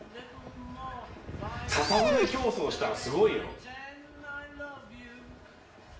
ささ舟競争したらすごいよ。